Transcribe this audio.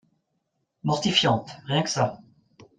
Mortifiante, rien que ça